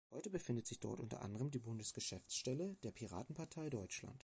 Heute befindet sich dort unter anderem die Bundesgeschäftsstelle der Piratenpartei Deutschland.